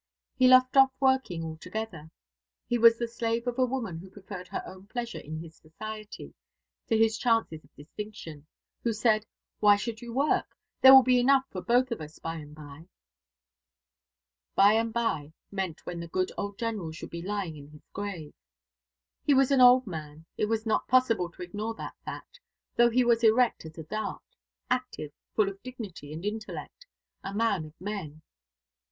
He left off working altogether. He was the slave of a woman who preferred her own pleasure in his society to his chances of distinction: who said, "Why should you work? There will be enough for both of us by and by." By and by meant when the good old General should be lying in his grave. He was an old man: it was not possible to ignore that fact, though he was erect as a dart, active, full of dignity and intellect a man of men.